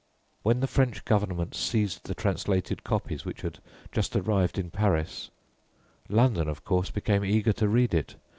When the French Government seized the translated copies which had just arrived in Paris, London, of course, became eager to read it.